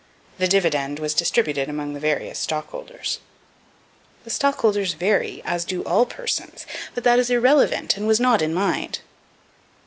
"The dividend was distributed among the various stockholders." The stockholders vary, as do all persons, but that is irrelevant and was not in mind.